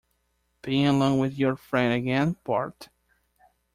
Been along with your friend again, Bart?